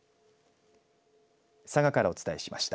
佐賀からお伝えしました。